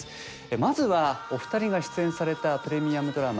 まずはお二人が出演されたプレミアムドラマ